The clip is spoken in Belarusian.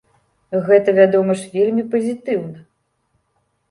Гэта, вядома ж, вельмі пазітыўна.